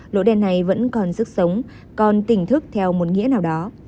lỗ đèn này vẫn còn sức sống còn tỉnh thức theo một nghĩa nào đó